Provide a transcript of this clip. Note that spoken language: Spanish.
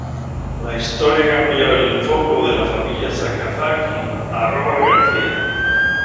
La historia cambió el foco de la familia Sakazaki a Robert García.